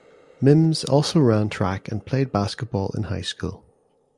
Mims also ran track and played basketball in high school.